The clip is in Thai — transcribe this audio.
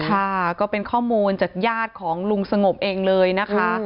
ค่ะก็เป็นข้อมูลจากญาติของลุงสงบเองเลยนะคะ